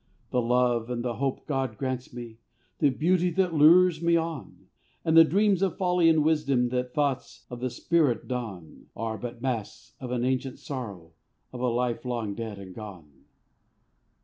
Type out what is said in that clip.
The love and the hope God grants me, The beauty that lures me on, And the dreams of folly and wisdom That thoughts of the spirit don, Are but masks of an ancient sorrow Of a life long dead and gone.